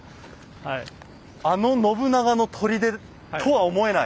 あの信長の砦とは思えない。